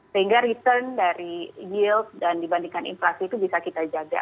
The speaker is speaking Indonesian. sehingga return dari yield dan dibandingkan inflasi itu bisa kita jaga